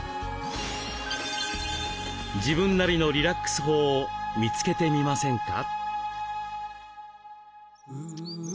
自分なりのリラックス法を見つけてみませんか？